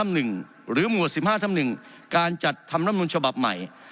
หรือหมวด๑๕ทับ๑การจัดทำรัฐมนุนฉบับใหม่